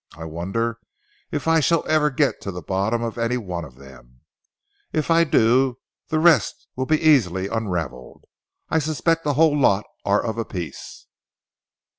"I wonder if I shall ever get to the bottom of any one of them. If I do, the rest will easily be unravelled. I suspect the whole lot are of a piece."